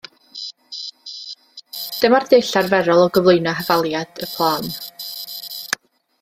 Dyma'r dull arferol o gyflwyno hafaliad y plân.